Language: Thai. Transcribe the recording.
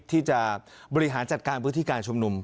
ที่จะบริหารจัดการพื้นที่การชุมนุม